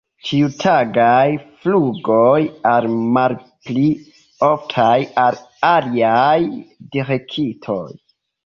Ĉiutagaj flugoj al malpli oftaj al aliaj direktoj.